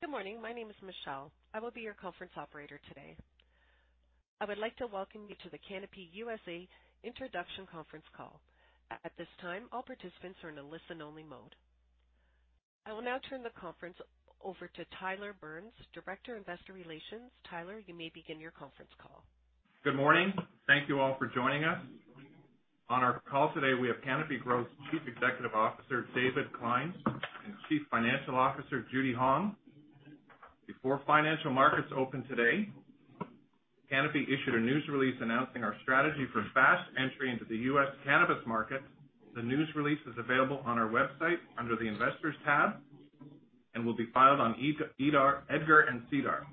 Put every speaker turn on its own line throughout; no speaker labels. Good morning. My name is Michelle. I will be your conference operator today. I would like to welcome you to the Canopy USA Introduction conference call. At this time, all participants are in a listen only mode. I will now turn the conference over to Tyler Burns, Director, Investor Relations. Tyler, you may begin your conference call.
Good morning. Thank you all for joining us. On our call today, we have Canopy Growth's Chief Executive Officer, David Klein, and Chief Financial Officer, Judy Hong. Before financial markets open today, Canopy issued a news release announcing our strategy for fast entry into the U.S. cannabis market. The news release is available on our website under the Investors tab and will be filed on EDGAR and SEDAR.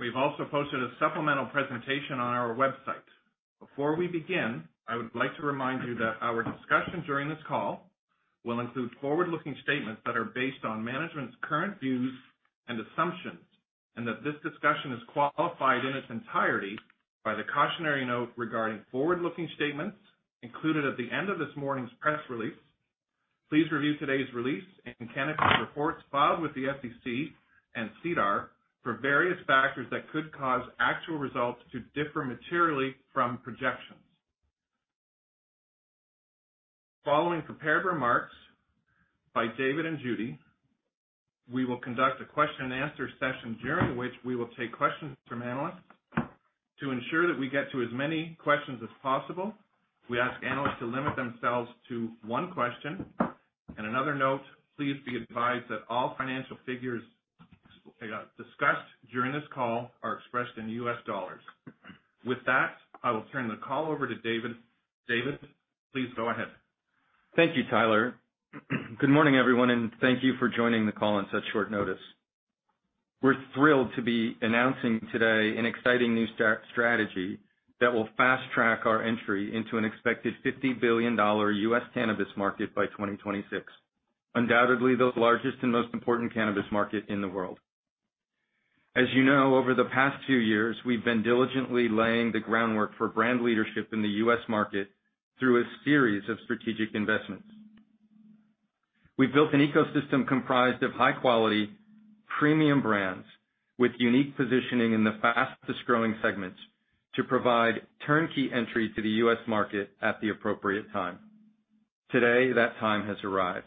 We've also posted a supplemental presentation on our website. Before we begin, I would like to remind you that our discussion during this call will include forward-looking statements that are based on management's current views and assumptions, and that this discussion is qualified in its entirety by the cautionary note regarding forward-looking statements included at the end of this morning's press release. Please review today's release and Canopy's reports filed with the SEC and SEDAR for various factors that could cause actual results to differ materially from projections. Following prepared remarks by David and Judy, we will conduct a question and answer session, during which we will take questions from analysts. To ensure that we get to as many questions as possible, we ask analysts to limit themselves to one question. Another note, please be advised that all financial figures discussed during this call are expressed in US dollars. With that, I will turn the call over to David. David, please go ahead.
Thank you, Tyler. Good morning, everyone, and thank you for joining the call on such short notice. We're thrilled to be announcing today an exciting new strategy that will fast-track our entry into an expected $50 billion U.S. cannabis market by 2026. Undoubtedly, the largest and most important cannabis market in the world. As you know, over the past two years, we've been diligently laying the groundwork for brand leadership in the U.S. market through a series of strategic investments. We've built an ecosystem comprised of high quality, premium brands with unique positioning in the fastest-growing segments to provide turnkey entry to the U.S. market at the appropriate time. Today, that time has arrived.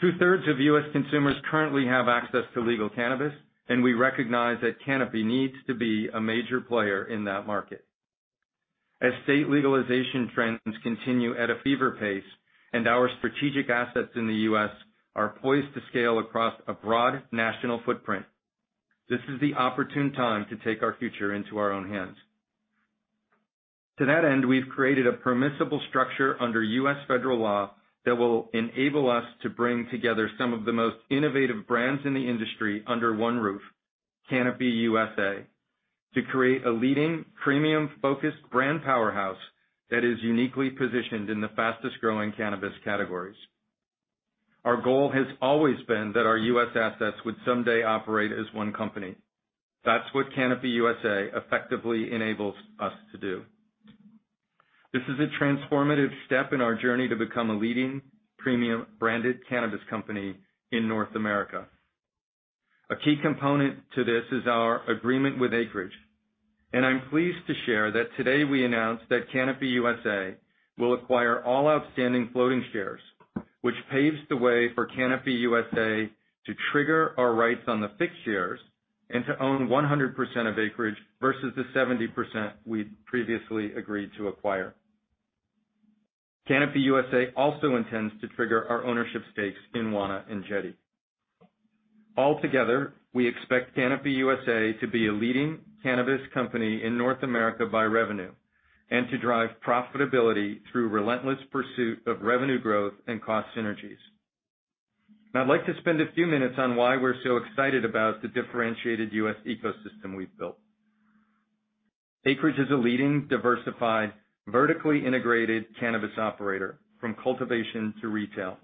Two-thirds of U.S. consumers currently have access to legal cannabis, and we recognize that Canopy needs to be a major player in that market. As state legalization trends continue at a fever pace, and our strategic assets in the U.S. are poised to scale across a broad national footprint, this is the opportune time to take our future into our own hands. To that end, we've created a permissible structure under U.S. federal law that will enable us to bring together some of the most innovative brands in the industry under one roof, Canopy USA, to create a leading premium-focused brand powerhouse that is uniquely positioned in the fastest-growing cannabis categories. Our goal has always been that our U.S. assets would someday operate as one company. That's what Canopy USA effectively enables us to do. This is a transformative step in our journey to become a leading premium branded cannabis company in North America. A key component to this is our agreement with Acreage. I'm pleased to share that today we announced that Canopy USA will acquire all outstanding floating shares, which paves the way for Canopy USA to trigger our rights on the fixed shares and to own 100% of Acreage versus the 70% we'd previously agreed to acquire. Canopy USA also intends to trigger our ownership stakes in Wana and Jetty. Altogether, we expect Canopy USA to be a leading cannabis company in North America by revenue and to drive profitability through relentless pursuit of revenue growth and cost synergies. Now, I'd like to spend a few minutes on why we're so excited about the differentiated U.S. ecosystem we've built. Acreage is a leading, diversified, vertically integrated cannabis operator from cultivation to retail.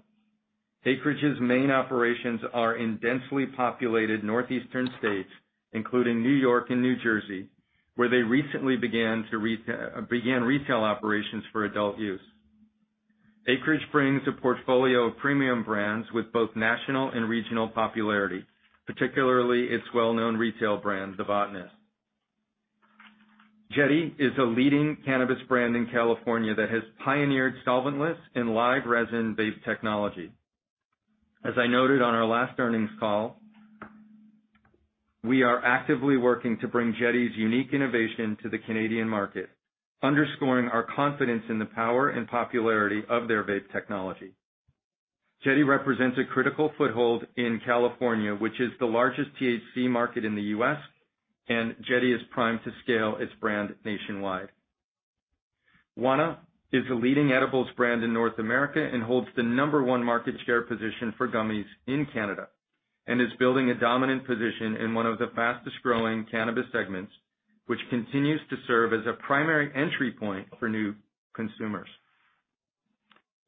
Acreage's main operations are in densely populated northeastern states, including New York and New Jersey, where they recently began retail operations for adult use. Acreage brings a portfolio of premium brands with both national and regional popularity, particularly its well-known retail brand, The Botanist. Jetty is a leading cannabis brand in California that has pioneered solventless and live resin-based technology. As I noted on our last earnings call, we are actively working to bring Jetty's unique innovation to the Canadian market, underscoring our confidence in the power and popularity of their vape technology. Jetty represents a critical foothold in California, which is the largest THC market in the U.S., and Jetty is primed to scale its brand nationwide. Wana is a leading edibles brand in North America and holds the number 1 market share position for gummies in Canada and is building a dominant position in one of the fastest-growing cannabis segments, which continues to serve as a primary entry point for new consumers.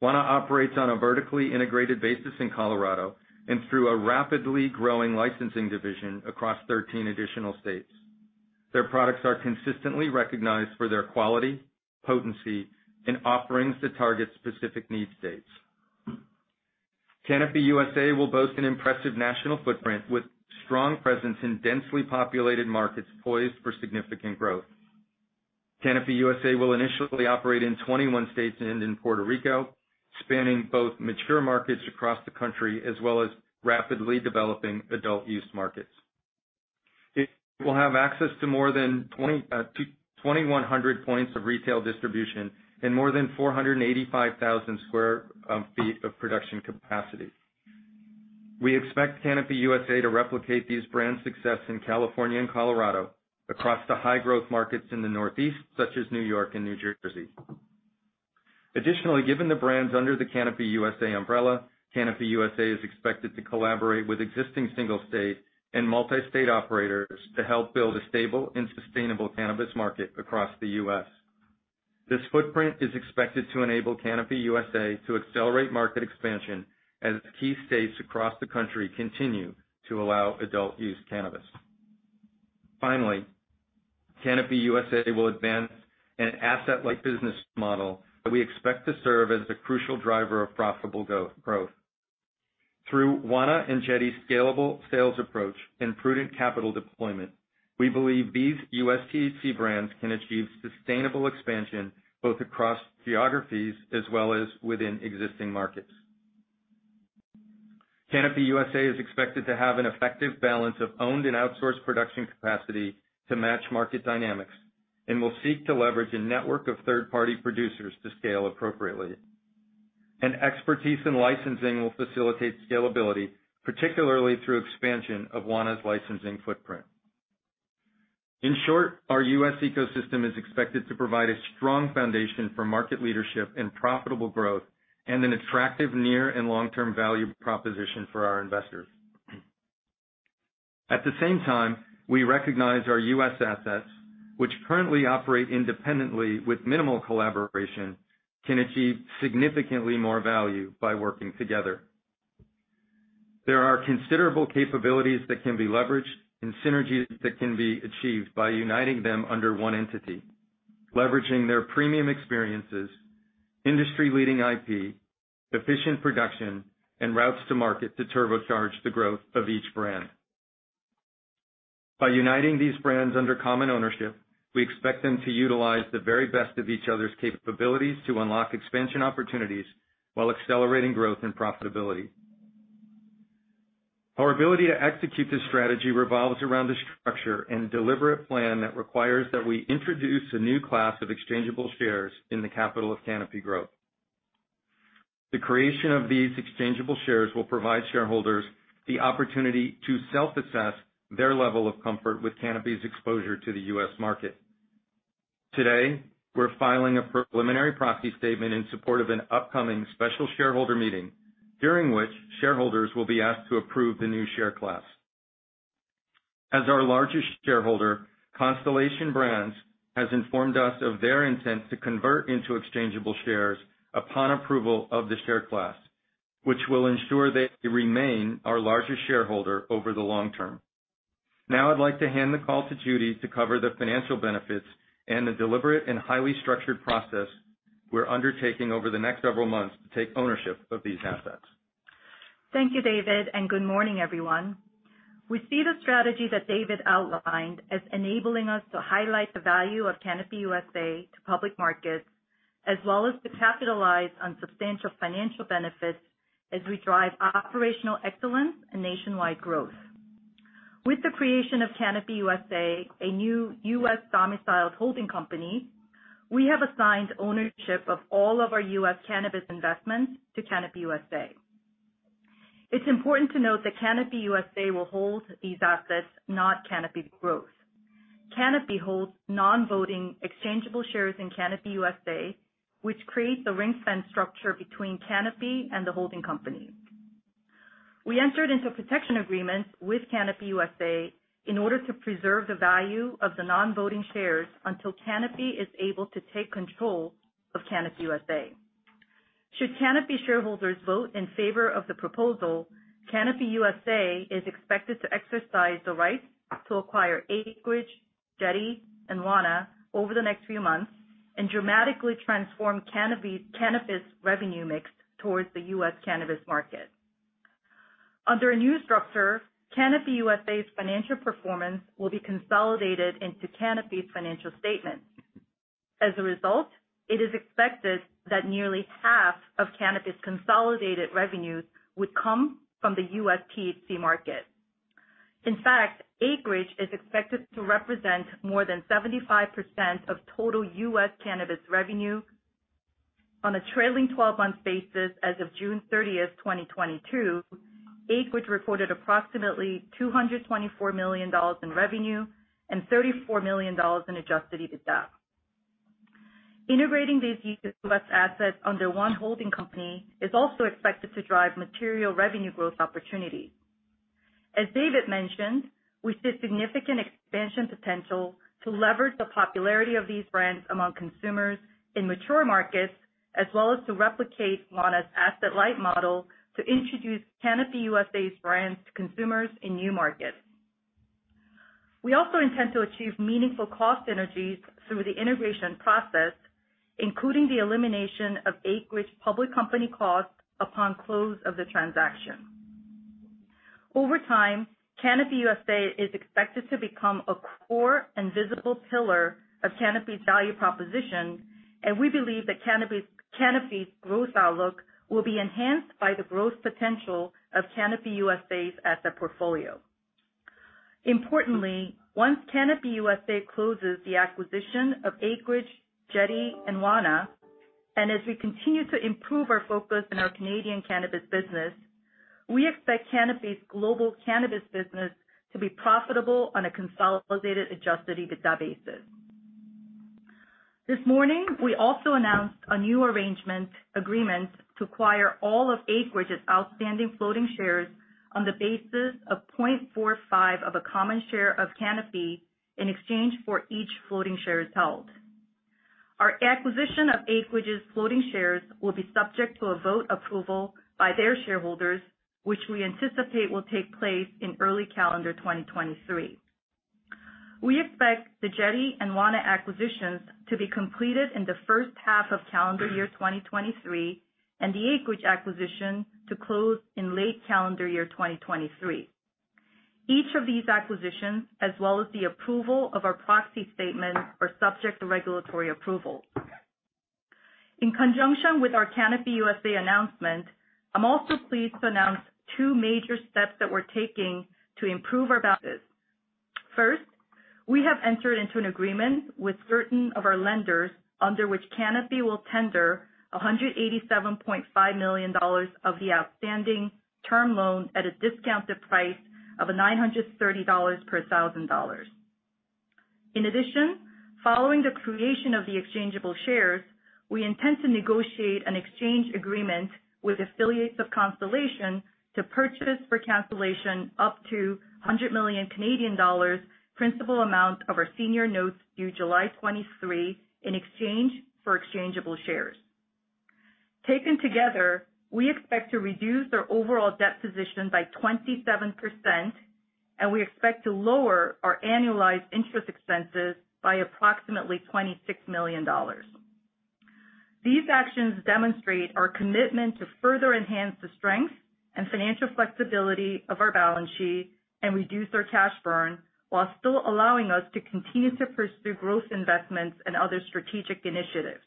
Wana operates on a vertically integrated basis in Colorado and through a rapidly growing licensing division across 13 additional states. Their products are consistently recognized for their quality, potency, and offerings to target specific need states. Canopy USA will boast an impressive national footprint with strong presence in densely populated markets poised for significant growth. Canopy USA will initially operate in 21 states and in Puerto Rico, spanning both mature markets across the country, as well as rapidly developing adult use markets. It will have access to more than 2,100 points of retail distribution and more than 485,000 sq ft of production capacity. We expect Canopy USA to replicate these brand success in California and Colorado across the high-growth markets in the Northeast, such as New York and New Jersey. Additionally, given the brands under the Canopy USA umbrella, Canopy USA is expected to collaborate with existing single state and multi-state operators to help build a stable and sustainable cannabis market across the U.S. This footprint is expected to enable Canopy USA to accelerate market expansion as key states across the country continue to allow adult-use cannabis. Finally, Canopy USA will advance an asset-light business model that we expect to serve as a crucial driver of profitable growth. Through Wana and Jetty's scalable sales approach and prudent capital deployment, we believe these U.S. THC brands can achieve sustainable expansion, both across geographies as well as within existing markets. Canopy USA is expected to have an effective balance of owned and outsourced production capacity to match market dynamics, and will seek to leverage a network of third-party producers to scale appropriately. An expertise in licensing will facilitate scalability, particularly through expansion of Wana's licensing footprint. In short, our U.S. ecosystem is expected to provide a strong foundation for market leadership and profitable growth and an attractive near and long-term value proposition for our investors. At the same time, we recognize our U.S. assets, which currently operate independently with minimal collaboration, can achieve significantly more value by working together. There are considerable capabilities that can be leveraged and synergies that can be achieved by uniting them under one entity, leveraging their premium experiences, industry-leading IP, efficient production, and routes to market to turbocharge the growth of each brand. By uniting these brands under common ownership, we expect them to utilize the very best of each other's capabilities to unlock expansion opportunities while accelerating growth and profitability. Our ability to execute this strategy revolves around the structure and deliberate plan that requires that we introduce a new class of exchangeable shares in the capital of Canopy Growth. The creation of these exchangeable shares will provide shareholders the opportunity to self-assess their level of comfort with Canopy's exposure to the U.S. market. Today, we're filing a preliminary proxy statement in support of an upcoming special shareholder meeting, during which shareholders will be asked to approve the new share class. As our largest shareholder, Constellation Brands has informed us of their intent to convert into exchangeable shares upon approval of the share class, which will ensure they remain our largest shareholder over the long term. Now I'd like to hand the call to Judy to cover the financial benefits and the deliberate and highly structured process we're undertaking over the next several months to take ownership of these assets.
Thank you, David, and good morning, everyone. We see the strategy that David outlined as enabling us to highlight the value of Canopy USA to public markets, as well as to capitalize on substantial financial benefits as we drive operational excellence and nationwide growth. With the creation of Canopy USA, a new U.S. domiciled holding company, we have assigned ownership of all of our U.S. cannabis investments to Canopy USA. It's important to note that Canopy USA will hold these assets, not Canopy Growth. Canopy holds non-voting exchangeable shares in Canopy USA, which create the ring-fence structure between Canopy and the holding company. We entered into protection agreements with Canopy USA in order to preserve the value of the non-voting shares until Canopy is able to take control of Canopy USA. Should Canopy shareholders vote in favor of the proposal, Canopy USA is expected to exercise the right to acquire Acreage, Jetty, and Wana over the next few months and dramatically transform Canopy's cannabis revenue mix towards the U.S. cannabis market. Under a new structure, Canopy USA's financial performance will be consolidated into Canopy's financial statements. As a result, it is expected that nearly half of Canopy's consolidated revenues would come from the U.S. THC market. In fact, Acreage is expected to represent more than 75% of total U.S. cannabis revenue. On a trailing twelve-month basis as of June 30, 2022, Acreage reported approximately $224 million in revenue and $34 million in adjusted EBITDA. Integrating these U.S. assets under one holding company is also expected to drive material revenue growth opportunities. As David mentioned, we see significant expansion potential to leverage the popularity of these brands among consumers in mature markets, as well as to replicate Wana's asset-light model to introduce Canopy USA's brands to consumers in new markets. We also intend to achieve meaningful cost synergies through the integration process, including the elimination of Acreage public company costs upon close of the transaction. Over time, Canopy USA is expected to become a core and visible pillar of Canopy's value proposition, and we believe that Canopy's growth outlook will be enhanced by the growth potential of Canopy USA's asset portfolio. Importantly, once Canopy USA closes the acquisition of Acreage, Jetty, and Wana, and as we continue to improve our focus in our Canadian cannabis business, we expect Canopy's global cannabis business to be profitable on a consolidated adjusted EBITDA basis. This morning, we also announced a new arrangement agreement to acquire all of Acreage's outstanding floating shares on the basis of 0.45 of a common share of Canopy in exchange for each floating shares held. Our acquisition of Acreage's floating shares will be subject to a vote approval by their shareholders, which we anticipate will take place in early calendar 2023. We expect the Jetty and Wana acquisitions to be completed in the first half of calendar year 2023, and the Acreage acquisition to close in late calendar year 2023. Each of these acquisitions, as well as the approval of our proxy statement, are subject to regulatory approval. In conjunction with our Canopy USA announcement, I'm also pleased to announce two major steps that we're taking to improve our balance. First, we have entered into an agreement with certain of our lenders under which Canopy will tender $187.5 million of the outstanding term loan at a discounted price of $930 per $1,000. In addition, following the creation of the exchangeable shares, we intend to negotiate an exchange agreement with affiliates of Constellation Brands to purchase for cancellation up to 100 million Canadian dollars principal amount of our senior notes due July 2023 in exchange for exchangeable shares. Taken together, we expect to reduce our overall debt position by 27%, and we expect to lower our annualized interest expenses by approximately $26 million. These actions demonstrate our commitment to further enhance the strength and financial flexibility of our balance sheet and reduce our cash burn while still allowing us to continue to pursue growth investments and other strategic initiatives.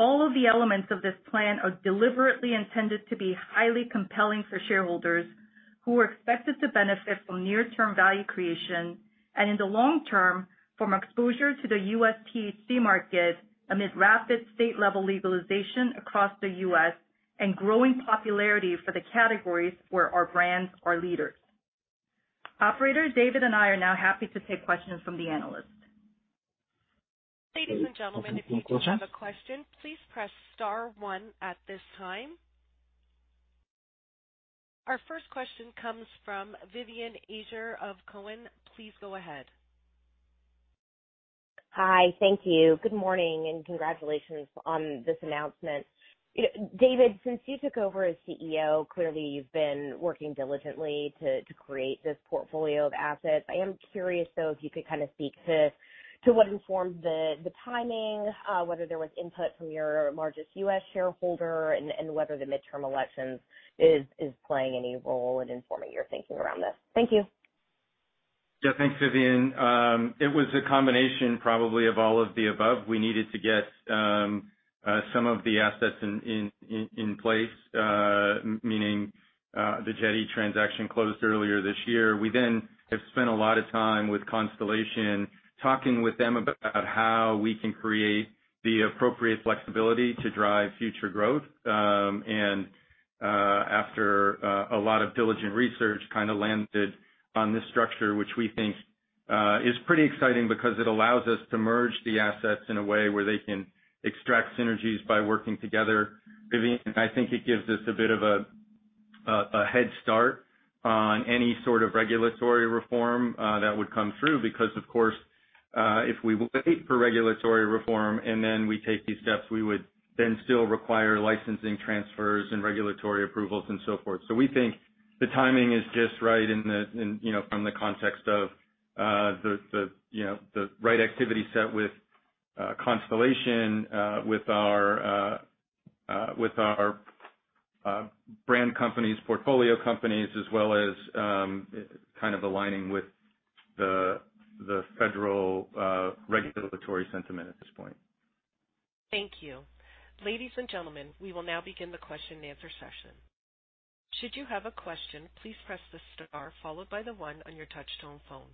All of the elements of this plan are deliberately intended to be highly compelling for shareholders who are expected to benefit from near-term value creation and, in the long term, from exposure to the U.S. THC market amid rapid state-level legalization across the U.S. and growing popularity for the categories where our brands are leaders. Operator, David and I are now happy to take questions from the analysts.
Ladies and gentlemen, if you do have a question, please press star one at this time. Our first question comes from Vivien Azer of Cowen. Please go ahead.
Hi. Thank you. Good morning, and congratulations on this announcement. David, since you took over as CEO, clearly you've been working diligently to create this portfolio of assets. I am curious, though, if you could kind of speak to what informed the timing, whether there was input from your largest U.S. shareholder and whether the midterm elections is playing any role in informing your thinking around this. Thank you.
Yeah. Thanks, Vivien. It was a combination probably of all of the above. We needed to get some of the assets in place, meaning the Jetty transaction closed earlier this year. We then have spent a lot of time with Constellation, talking with them about how we can create the appropriate flexibility to drive future growth. After a lot of diligent research, kind of landed on this structure, which we think is pretty exciting because it allows us to merge the assets in a way where they can extract synergies by working together. Vivian, I think it gives us a bit of a head start on any sort of regulatory reform that would come through because, of course, if we wait for regulatory reform and then we take these steps, we would then still require licensing transfers and regulatory approvals and so forth. We think the timing is just right in the you know from the context of the you know the right activity set with Constellation with our brand companies, portfolio companies, as well as kind of aligning with the federal regulatory sentiment at this point.
Thank you. Ladies and gentlemen, we will now begin the question-and-answer session. Should you have a question, please press the star followed by the one on your touchtone phone.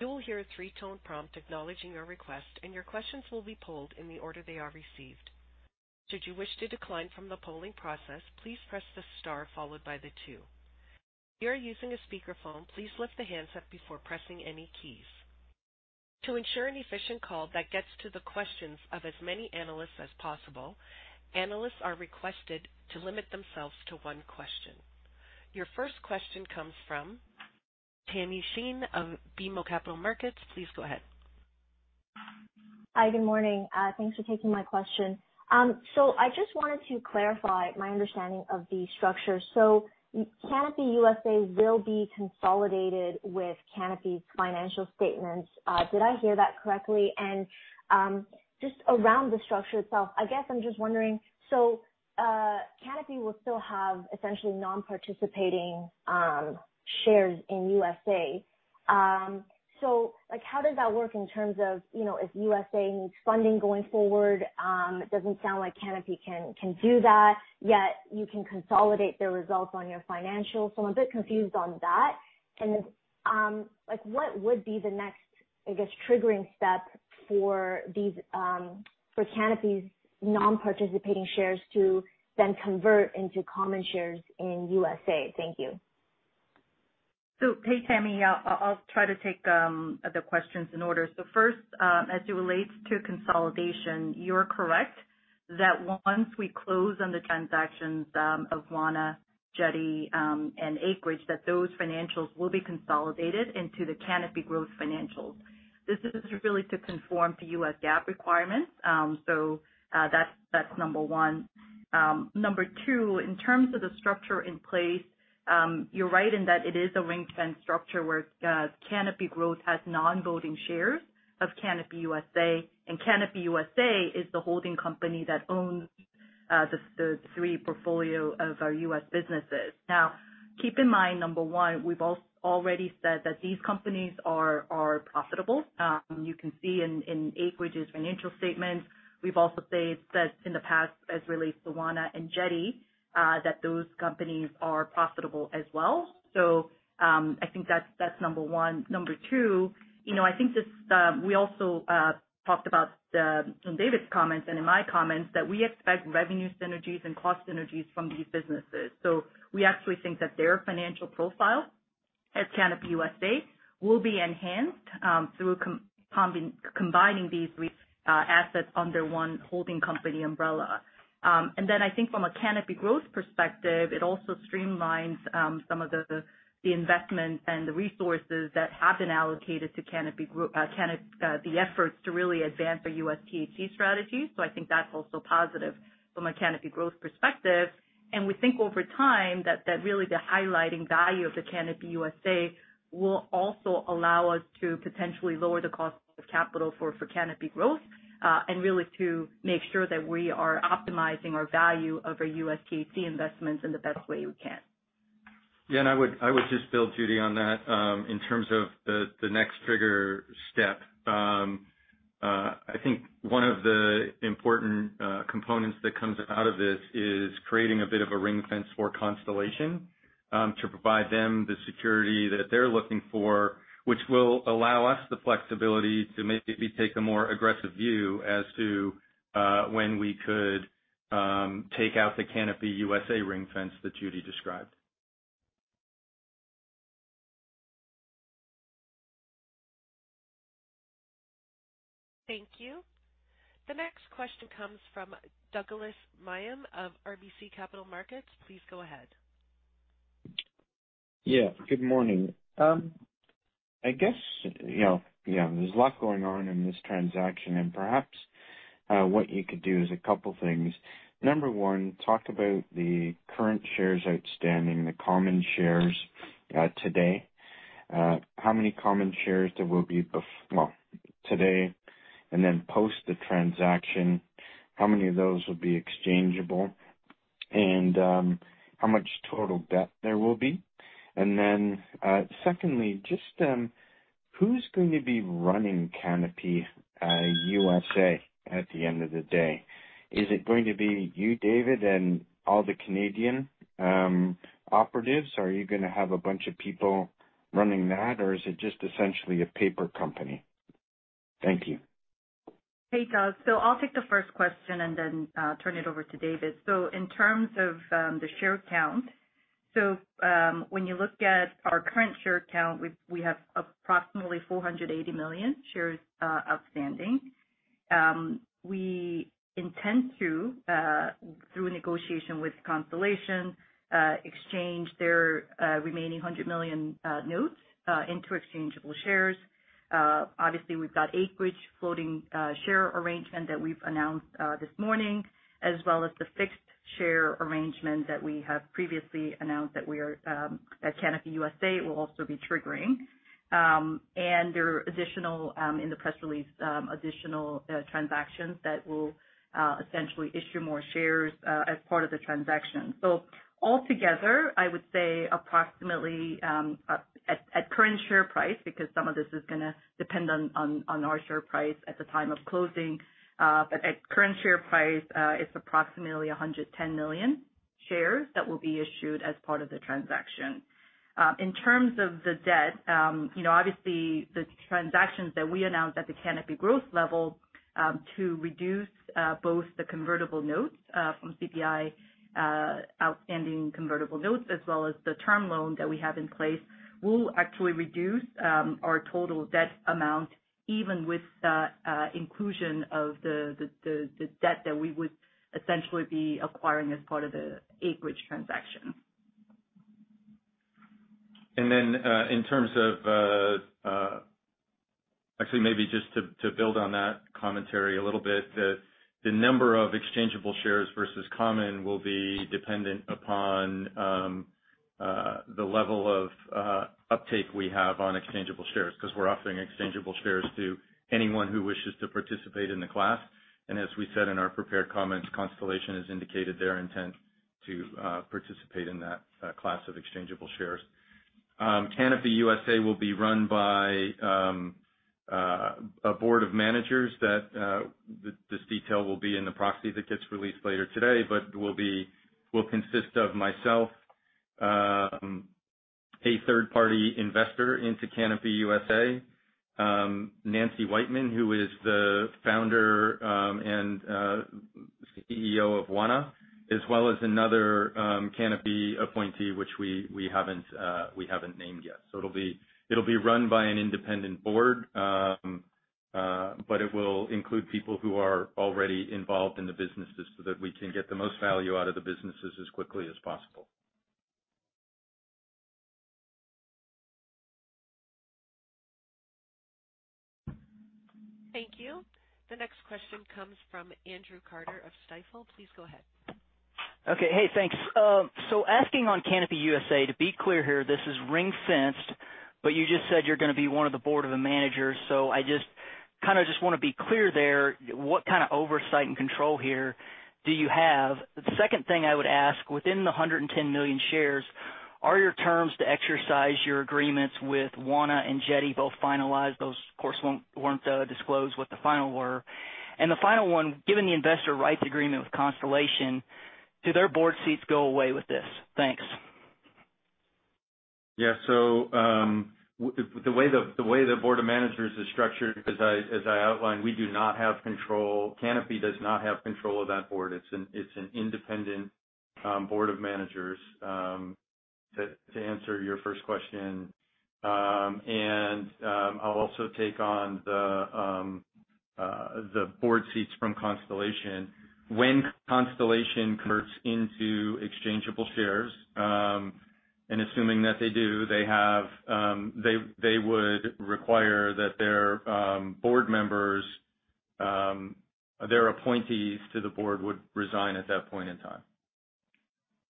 You will hear a three-tone prompt acknowledging your request, and your questions will be polled in the order they are received. Should you wish to decline from the polling process, please press the star followed by the two. If you are using a speakerphone, please lift the handset before pressing any keys. To ensure an efficient call that gets to the questions of as many analysts as possible, analysts are requested to limit themselves to one question. Your first question comes from Tamy Chen of BMO Capital Markets. Please go ahead.
Hi, good morning. Thanks for taking my question. I just wanted to clarify my understanding of the structure. Canopy USA will be consolidated with Canopy's financial statements. Did I hear that correctly? Just around the structure itself, I guess I'm just wondering, Canopy will still have essentially non-participating shares in USA. Like, how does that work in terms of, you know, if USA needs funding going forward? It doesn't sound like Canopy can do that, yet you can consolidate the results on your financials. I'm a bit confused on that. Like, what would be the next, I guess, triggering step for Canopy's non-participating shares to then convert into common shares in USA? Thank you.
Hey, Tammy. I'll try to take the questions in order. First, as it relates to consolidation, you're correct that once we close on the transactions of Wana, Jetty, and Acreage, that those financials will be consolidated into the Canopy Growth financials. This is really to conform to U.S. GAAP requirements. That's number one. Number two, in terms of the structure in place, you're right in that it is a ring-fence structure where Canopy Growth has non-voting shares of Canopy USA, and Canopy USA is the holding company that owns the three portfolio of our U.S. businesses. Now, keep in mind, number one, we've already said that these companies are profitable. You can see in Acreage's financial statements. We've also said that in the past as relates to Wana and Jetty, that those companies are profitable as well. I think that's number one. Number two, you know, I think we also talked about from David's comments and in my comments that we expect revenue synergies and cost synergies from these businesses. We actually think that their financial profile at Canopy USA will be enhanced through combining these three assets under one holding company umbrella. I think from a Canopy Growth perspective, it also streamlines some of the investment and the resources that have been allocated to the efforts to really advance our U.S. THC strategy. I think that's also positive from a Canopy Growth perspective. We think over time that really the highlighting value of the Canopy USA will also allow us to potentially lower the cost of capital for Canopy Growth, and really to make sure that we are optimizing our value of our U.S. THC investments in the best way we can.
Yeah, I would just build, Judy, on that. In terms of the next trigger step, I think one of the important components that comes out of this is creating a bit of a ring-fence for Constellation to provide them the security that they're looking for, which will allow us the flexibility to maybe take a more aggressive view as to when we could take out the Canopy USA ring-fence that Judy described.
Thank you. The next question comes from Douglas Miehm of RBC Capital Markets. Please go ahead.
Yeah. Good morning. I guess, you know, there's a lot going on in this transaction and perhaps what you could do is a couple things. Number one, talk about the current shares outstanding, the common shares today. How many common shares there will be today, and then post the transaction, how many of those will be exchangeable, and how much total debt there will be? Secondly, just, who's going to be running Canopy USA at the end of the day? Is it going to be you, David, and all the Canadian operatives? Are you gonna have a bunch of people running that, or is it going to be just essentially a paper company? Thank you.
Hey, Doug. I'll take the first question and then turn it over to David. In terms of the share count, when you look at our current share count, we have approximately 480 million shares outstanding. We intend to, through negotiation with Constellation, exchange their remaining 100 million notes into exchangeable shares. Obviously, we've got Acreage floating share arrangement that we've announced this morning, as well as the fixed share arrangement that we have previously announced that we are at Canopy USA will also be triggering. There are additional in the press release additional transactions that will essentially issue more shares as part of the transaction. Altogether, I would say approximately at current share price, because some of this is gonna depend on our share price at the time of closing, but at current share price, it's approximately 110 million shares that will be issued as part of the transaction. In terms of the debt, you know, obviously, the transactions that we announced at the Canopy Growth level to reduce both the convertible notes from CBI outstanding convertible notes, as well as the term loan that we have in place, will actually reduce our total debt amount, even with the inclusion of the debt that we would essentially be acquiring as part of the Acreage transaction.
In terms of, actually, maybe just to build on that commentary a little bit, the number of exchangeable shares versus common will be dependent upon the level of uptake we have on exchangeable shares, 'cause we're offering exchangeable shares to anyone who wishes to participate in the class. As we said in our prepared comments, Constellation has indicated their intent to participate in that class of exchangeable shares. Canopy USA will be run by a board of managers. This detail will be in the proxy that gets released later today, but it will consist of myself, a third-party investor into Canopy USA, Nancy Whiteman, who is the founder and CEO of Wana, as well as another Canopy appointee, which we haven't named yet. It'll be run by an independent board, but it will include people who are already involved in the businesses so that we can get the most value out of the businesses as quickly as possible.
Thank you. The next question comes from Andrew Carter of Stifel. Please go ahead.
Okay. Hey, thanks. Asking on Canopy USA, to be clear here, this is ring-fenced, but you just said you're gonna be one of the board of the managers. I just kinda wanna be clear there, what kind of oversight and control here do you have? The second thing I would ask, within the 110 million shares, are your terms to exercise your agreements with Wana and Jetty both finalized? Those of course weren't disclosed what the final were. The final one, given the investor rights agreement with Constellation, do their board seats go away with this? Thanks.
Yeah. The way the board of managers is structured, as I outlined, we do not have control. Canopy does not have control of that board. It's an independent board of managers to answer your first question. I'll also take on the board seats from Constellation. When Constellation converts into exchangeable shares, and assuming that they do, they would require that their board members, their appointees to the board would resign at that point in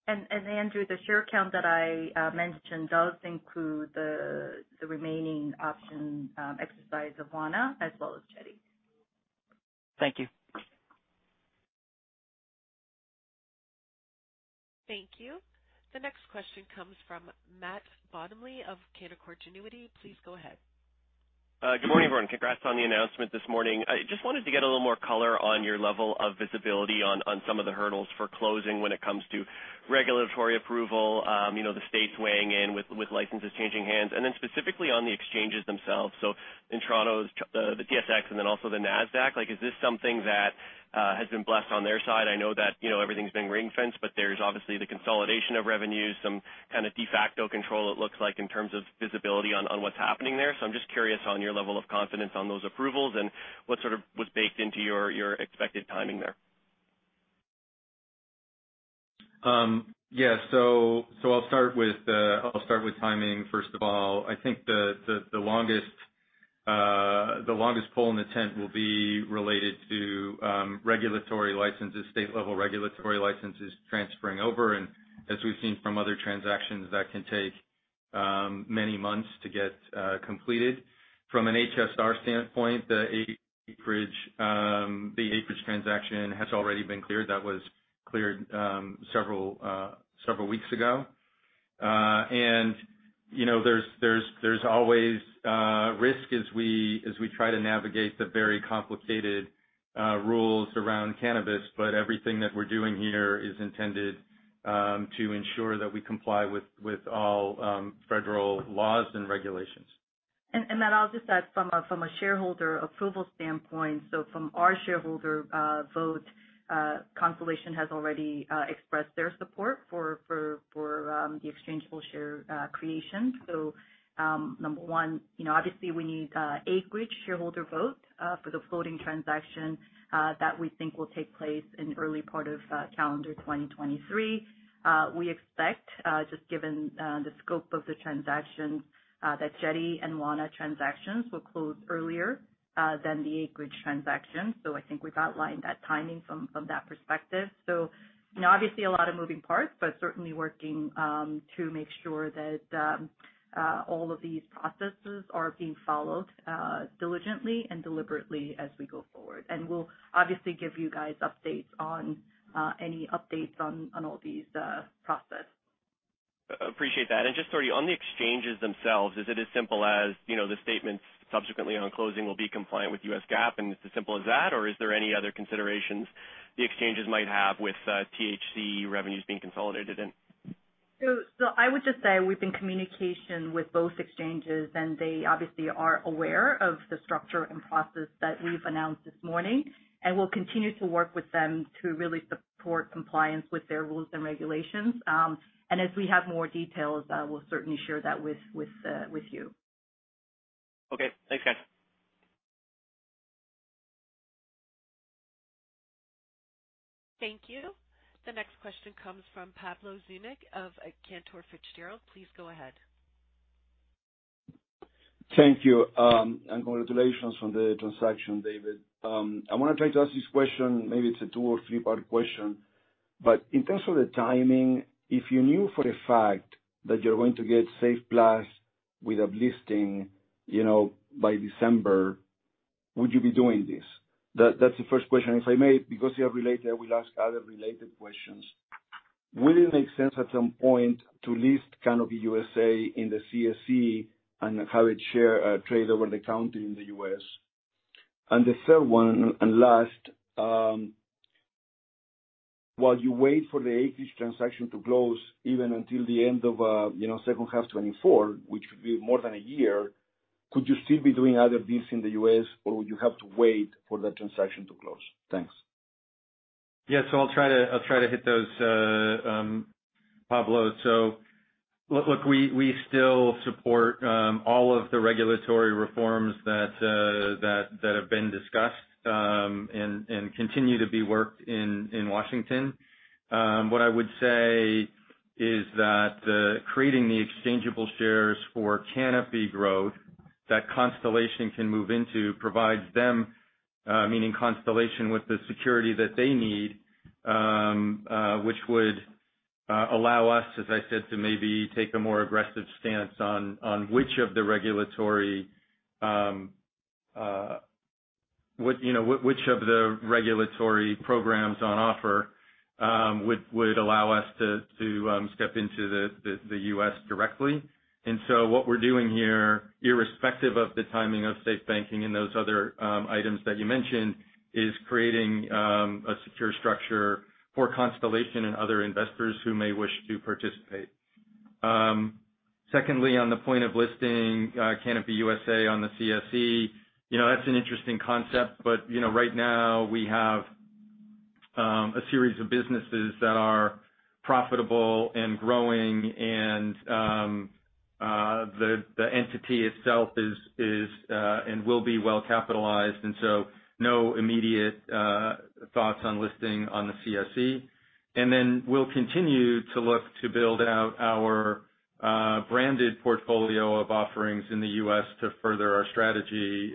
time.
Andrew, the share count that I mentioned does include the remaining option exercise of Wana as well as Jetty.
Thank you.
Thank you. The next question comes from Matt Bottomley of Canaccord Genuity. Please go ahead.
Good morning, everyone. Congrats on the announcement this morning. I just wanted to get a little more color on your level of visibility on some of the hurdles for closing when it comes to regulatory approval, you know, the states weighing in with licenses changing hands, and then specifically on the exchanges themselves, so in Toronto's, the TSX and then also the Nasdaq. Like, is this something that has been blessed on their side? I know that, you know, everything's being ring-fenced, but there's obviously the consolidation of revenues, some kind of de facto control it looks like in terms of visibility on what's happening there. I'm just curious on your level of confidence on those approvals and what sort of was baked into your expected timing there.
Yeah. So I'll start with timing first of all. I think the longest pole in the tent will be related to regulatory licenses, state-level regulatory licenses transferring over. As we've seen from other transactions, that can take many months to get completed. From an HSR standpoint, the Acreage transaction has already been cleared. That was cleared several weeks ago. You know, there's always risk as we try to navigate the very complicated rules around cannabis, but everything that we're doing here is intended to ensure that we comply with all federal laws and regulations.
Matt, I'll just add from a shareholder approval standpoint, from our shareholder vote, Constellation has already expressed their support for the exchangeable share creation. Number one, you know, obviously we need Acreage shareholder vote for the floating transaction that we think will take place in early part of calendar 2023. We expect, just given the scope of the transactions, that Jetty and Wana transactions will close earlier than the Acreage transaction. I think we've outlined that timing from that perspective. You know, obviously a lot of moving parts, but certainly working to make sure that all of these processes are being followed diligently and deliberately as we go forward. We'll obviously give you guys updates on any updates on all these process.
Appreciate that. Just sorry, on the exchanges themselves, is it as simple as, you know, the statements subsequently on closing will be compliant with U.S. GAAP, and it's as simple as that? Or is there any other considerations the exchanges might have with, THC revenues being consolidated in?
I would just say we're in communication with both exchanges, and they obviously are aware of the structure and process that we've announced this morning, and we'll continue to work with them to really support compliance with their rules and regulations. As we have more details, we'll certainly share that with you.
Okay. Thanks, guys.
Thank you. The next question comes from Pablo Zuanic of Cantor Fitzgerald. Please go ahead.
Thank you. Congratulations on the transaction, David. I wanna try to ask this question. Maybe it's a two or three-part question. In terms of the timing, if you knew for a fact that you're going to get SAFE Plus with a listing, you know, by December, would you be doing this? That's the first question. If I may, because they are related, I will ask other related questions. Will it make sense at some point to list Canopy USA in the CSE and have its shares trade over-the-counter in the US? The third one and last, while you wait for the Acreage transaction to close, even until the end of, you know, second half 2024, which could be more than a year, could you still be doing other deals in the U.S., or would you have to wait for that transaction to close? Thanks.
Yeah, I'll try to hit those, Pablo. Look, we still support all of the regulatory reforms that have been discussed and continue to be worked on in Washington. What I would say is that creating the exchangeable shares for Canopy Growth that Constellation can move into provides them, meaning Constellation, with the security that they need, which would allow us, as I said, to maybe take a more aggressive stance on which of the regulatory programs on offer would allow us to step into the U.S. directly. What we're doing here, irrespective of the timing of safe banking and those other items that you mentioned, is creating a secure structure for Constellation and other investors who may wish to participate. Secondly, on the point of listing Canopy USA on the CSE, you know, that's an interesting concept, but you know, right now we have a series of businesses that are profitable and growing and the entity itself is and will be well capitalized. No immediate thoughts on listing on the CSE. We'll continue to look to build out our branded portfolio of offerings in the US to further our strategy.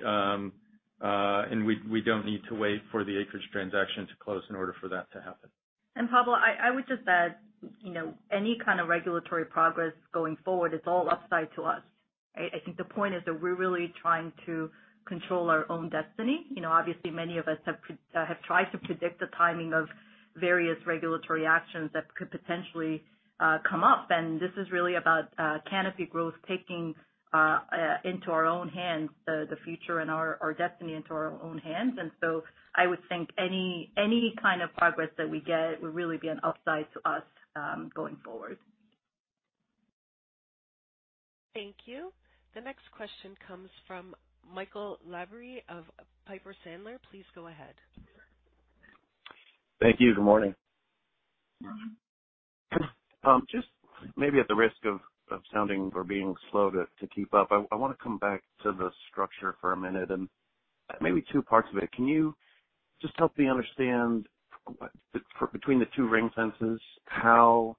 We don't need to wait for the Acreage transaction to close in order for that to happen.
Pablo, I would just add, you know, any kind of regulatory progress going forward, it's all upside to us. I think the point is that we're really trying to control our own destiny. You know, obviously many of us have tried to predict the timing of various regulatory actions that could potentially come up. This is really about Canopy Growth taking into our own hands the future and our destiny into our own hands. I would think any kind of progress that we get would really be an upside to us going forward.
Thank you. The next question comes from Michael Lavery of Piper Sandler. Please go ahead.
Thank you. Good morning.
Good morning.
Just maybe at the risk of sounding or being slow to keep up, I wanna come back to the structure for a minute and maybe two parts of it. Can you just help me understand between the two ring-fences, how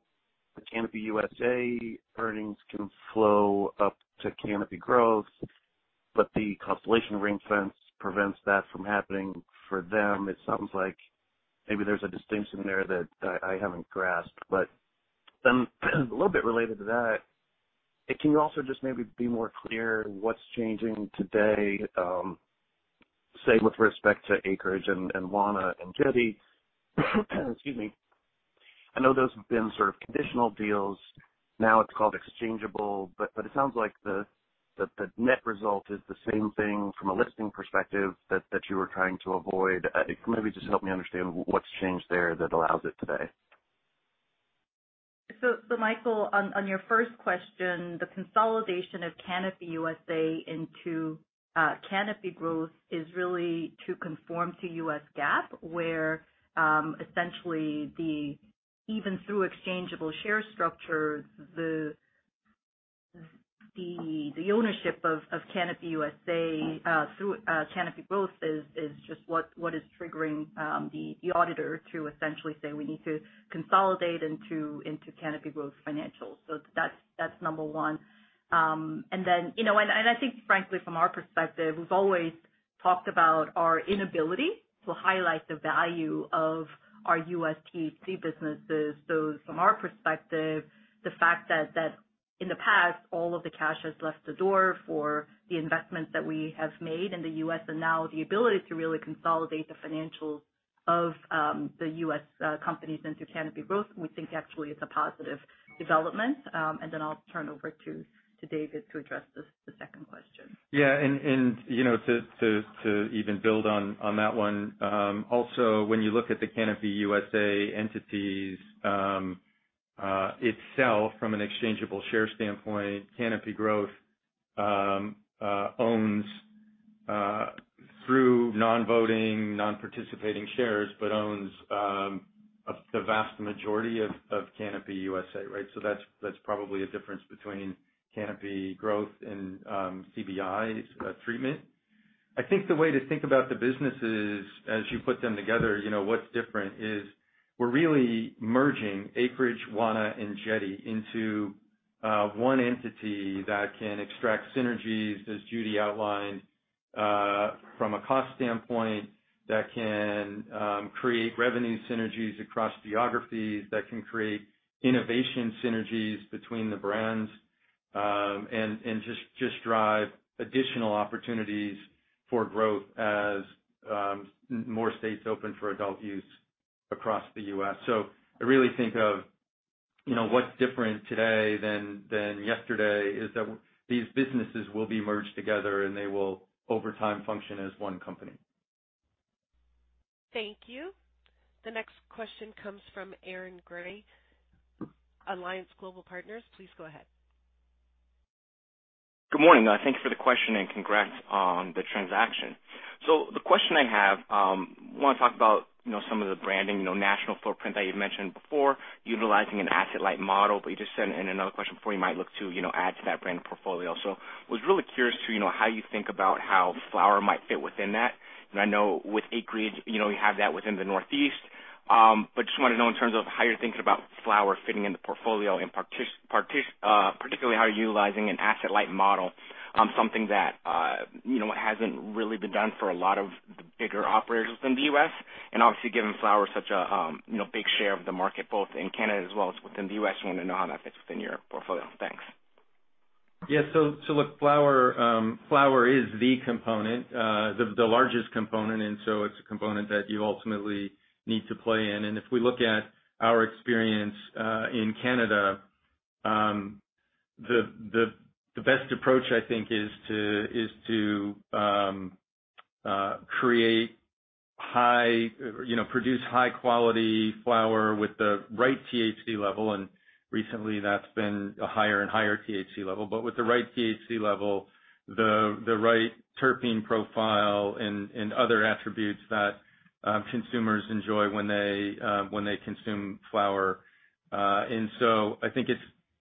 the Canopy USA earnings can flow up to Canopy Growth, but the Constellation ring-fence prevents that from happening for them? It sounds like maybe there's a distinction there that I haven't grasped. But then a little bit related to that, and can you also just maybe be more clear what's changing today, say with respect to Acreage and Wana and Jetty? Excuse me. I know those have been sort of conditional deals. Now it's called exchangeable, but it sounds like the net result is the same thing from a listing perspective that you were trying to avoid. Could maybe just help me understand what's changed there that allows it today.
Michael, on your first question, the consolidation of Canopy USA into Canopy Growth is really to conform to U.S. GAAP, where essentially, even through exchangeable share structures, the ownership of Canopy USA through Canopy Growth is just what is triggering the auditor to essentially say we need to consolidate into Canopy Growth financials. That's number one. I think frankly from our perspective, we've always talked about our inability to highlight the value of our U.S. THC businesses. From our perspective, the fact that in the past all of the cash has gone out the door for the investments that we have made in the U.S. and now the ability to really consolidate the financials of the U.S. companies into Canopy Growth, we think actually is a positive development. I'll turn over to David to address the second question.
Yeah, you know, to even build on that one, also when you look at the Canopy USA entities itself from an exchangeable shares standpoint, Canopy Growth owns through non-voting, non-participating shares, but owns the vast majority of Canopy USA, right? So that's probably a difference between Canopy Growth and CBI's treatment. I think the way to think about the businesses as you put them together, you know, what's different is we're really merging Acreage, Wana, and Jetty into one entity that can extract synergies, as Judy outlined from a cost standpoint that can create revenue synergies across geographies, that can create innovation synergies between the brands, and just drive additional opportunities for growth as more states open for adult use across the U.S. I really think of, you know, what's different today than yesterday is that these businesses will be merged together, and they will, over time, function as one company.
Thank you. The next question comes from Aaron Grey, Alliance Global Partners. Please go ahead.
Good morning. Thank you for the question and congrats on the transaction. The question I have, wanna talk about, you know, some of the branding, you know, national footprint that you've mentioned before, utilizing an asset-light model. You just said in another question before you might look to, you know, add to that brand portfolio. Was really curious to, you know, how you think about how flower might fit within that. I know with Acreage, you know, you have that within the Northeast. Just wanna know in terms of how you're thinking about flower fitting in the portfolio and particularly how you're utilizing an asset-light model, something that, you know, hasn't really been done for a lot of the bigger operators within the U.S. Obviously, given flower is such a, you know, big share of the market both in Canada as well as within the U.S., wanna know how that fits within your portfolio? Thanks.
Yeah. Look, flower is the component, the largest component, and it's a component that you ultimately need to play in. If we look at our experience in Canada, the best approach I think is to produce high quality flower with the right THC level, and recently that's been a higher and higher THC level. With the right THC level, the right terpene profile and other attributes that consumers enjoy when they consume flower. I think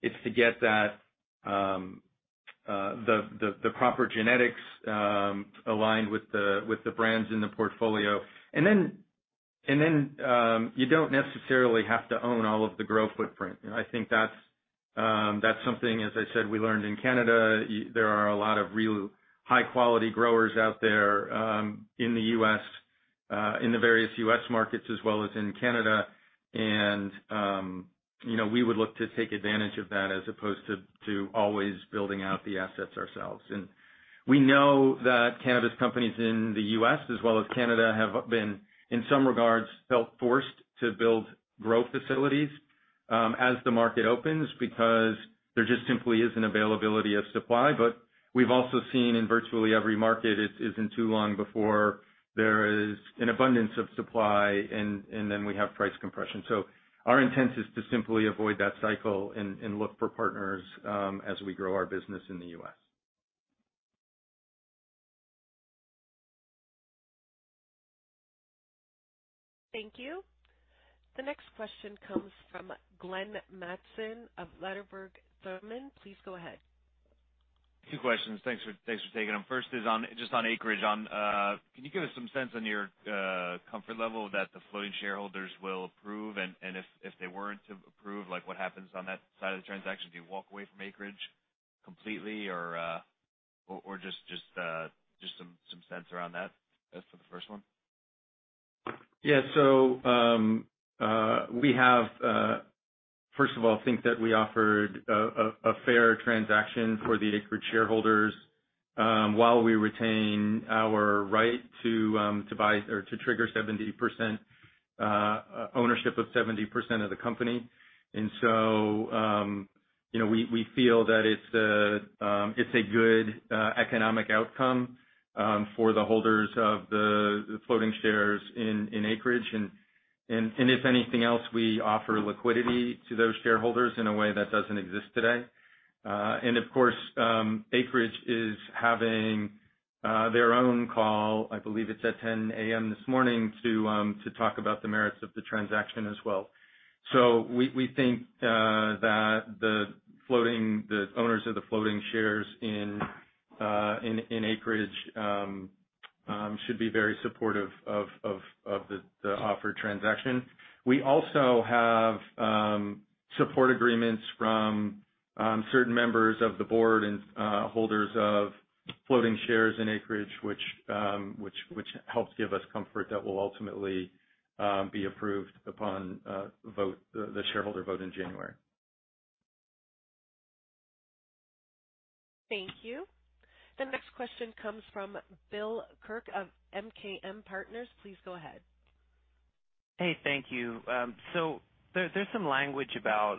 it's to get that, the proper genetics aligned with the brands in the portfolio. You don't necessarily have to own all of the grow footprint. You know, I think that's something, as I said, we learned in Canada. There are a lot of really high quality growers out there, in the US, in the various US markets as well as in Canada. You know, we would look to take advantage of that as opposed to always building out the assets ourselves. We know that cannabis companies in the US as well as Canada have been, in some regards, felt forced to build growth facilities, as the market opens because there just simply isn't availability of supply. We've also seen in virtually every market, it isn't too long before there is an abundance of supply and then we have price compression. Our intent is to simply avoid that cycle and look for partners, as we grow our business in the US.
Thank you. The next question comes from Glenn Mattson of Ladenburg Thalmann. Please go ahead.
Two questions. Thanks for taking them. First is just on Acreage. Can you give us some sense on your comfort level that the floating shareholders will approve? And if they weren't to approve, like, what happens on that side of the transaction? Do you walk away from Acreage completely or just some sense around that. That's for the first one.
First of all, we think that we offered a fair transaction for the Acreage shareholders while we retain our right to buy or to trigger 70% ownership of 70% of the company. You know, we feel that it's a good economic outcome for the holders of the Floating Shares in Acreage. If anything else, we offer liquidity to those shareholders in a way that doesn't exist today. Of course, Acreage is having their own call. I believe it's at 10:00 A.M. this morning to talk about the merits of the transaction as well. We think that the owners of the Floating Shares in Acreage should be very supportive of the offered transaction. We also have support agreements from certain members of the board and holders of Floating Shares in Acreage, which helps give us comfort that will ultimately be approved upon the shareholder vote in January.
Thank you. The next question comes from Bill Kirk of MKM Partners. Please go ahead.
Hey, thank you. There's some language about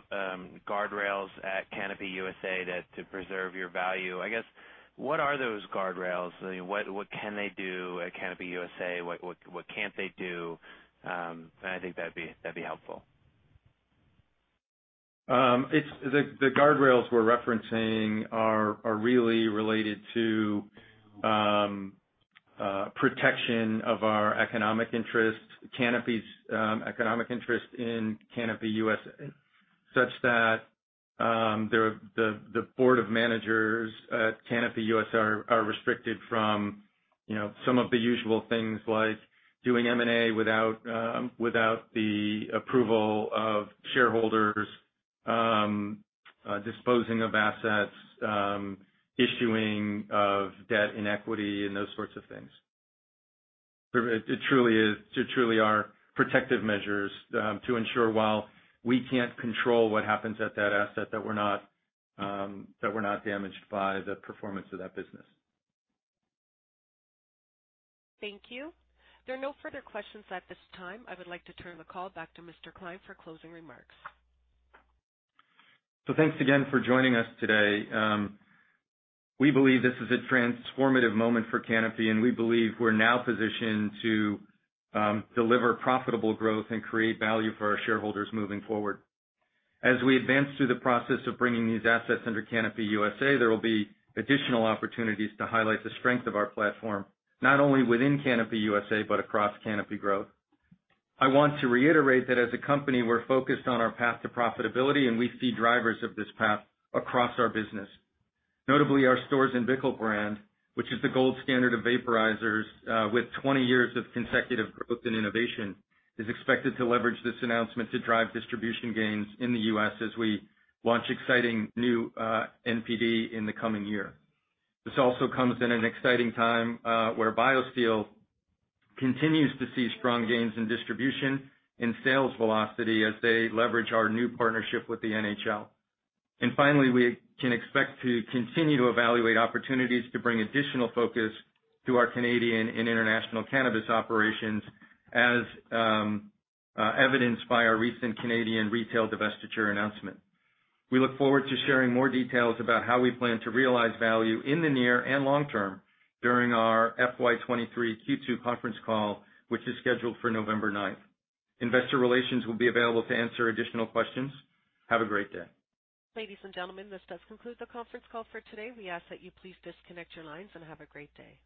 guardrails at Canopy USA that to preserve your value. I guess, what are those guardrails? I mean, what can they do at Canopy USA? What can't they do? I think that'd be helpful.
The guardrails we're referencing are really related to protection of our economic interests, Canopy's economic interest in Canopy USA, the board of managers at Canopy USA are restricted from, you know, some of the usual things like doing M&A without the approval of shareholders, disposing of assets, issuing of debt and equity and those sorts of things. It truly is. They truly are protective measures to ensure while we can't control what happens at that asset, that we're not damaged by the performance of that business.
Thank you. There are no further questions at this time. I would like to turn the call back to Mr. Klein for closing remarks.
Thanks again for joining us today. We believe this is a transformative moment for Canopy, and we believe we're now positioned to deliver profitable growth and create value for our shareholders moving forward. As we advance through the process of bringing these assets under Canopy USA, there will be additional opportunities to highlight the strength of our platform, not only within Canopy USA, but across Canopy Growth. I want to reiterate that as a company, we're focused on our path to profitability, and we see drivers of this path across our business. Notably, our Storz & Bickel brand, which is the gold standard of vaporizers, with 20 years of consecutive growth and innovation, is expected to leverage this announcement to drive distribution gains in the U.S. as we launch exciting new NPD in the coming year. This also comes in an exciting time, where BioSteel continues to see strong gains in distribution and sales velocity as they leverage our new partnership with the NHL. Finally, we can expect to continue to evaluate opportunities to bring additional focus to our Canadian and international cannabis operations as evidenced by our recent Canadian retail divestiture announcement. We look forward to sharing more details about how we plan to realize value in the near and long term during our FY 2023 Q2 conference call, which is scheduled for November 9th. Investor relations will be available to answer additional questions. Have a great day.
Ladies and gentlemen, this does conclude the conference call for today. We ask that you please disconnect your lines and have a great day.